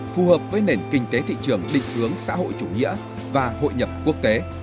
phù hợp với nền kinh tế thị trường định hướng xã hội chủ nghĩa và hội nhập quốc tế